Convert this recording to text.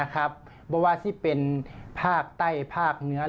คุณมากอิหรี่หรอ